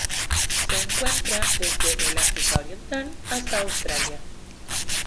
Se encuentra desde el África Oriental hasta Australia.